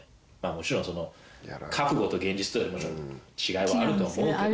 もちろんその覚悟と現実とで違いはあるとは思うけど。